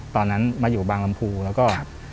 ตอนนั้นมาอยู่บางลำพูแล้วก็